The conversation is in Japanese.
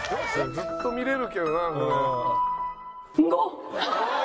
ずっと見れるけどな。